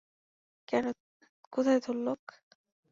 কোথায় তোর লোক?